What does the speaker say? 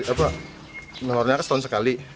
ya pak menengoknya aku setahun sekali